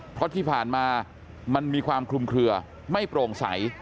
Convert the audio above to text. เพราะที่ผ่านมามันมีความคลุมเคลือไม่โปร่งใส